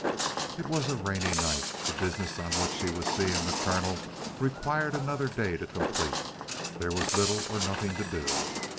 It was a rainy night. The business on which he was seeing the Colonel required another day to complete. There was little or nothing to do.